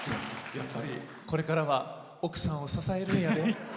これからは奥さんを支えるんやで。